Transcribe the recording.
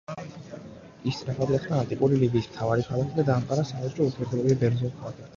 ის სწრაფად გახდა ანტიკური ლიბიის მთავარი ქალაქი და დაამყარა სავაჭრო ურთიერთობები ბერძნულ ქალაქებთან.